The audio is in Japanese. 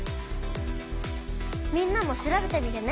みんなも調べてみてね！